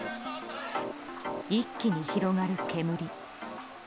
一気に広がる煙。